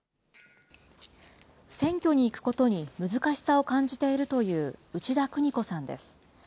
選挙に行くことに難しさを感じているという内田邦子さんです。